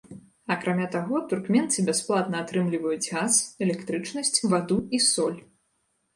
Акрамя таго, туркменцы бясплатна атрымліваюць газ, электрычнасць, ваду і соль.